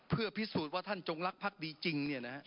เพื่อพิสูจน์ว่าท่านจงรักภักษ์ดีจริงเนี่ยนะครับ